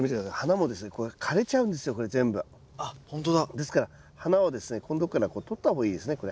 ですから花はここんとこから取った方がいいですねこれ。